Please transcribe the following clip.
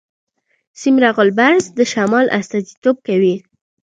سیمرغ البرز د شمال استازیتوب کوي.